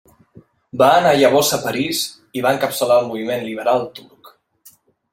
Va anar llavors a París i va encapçalar el moviment liberal turc.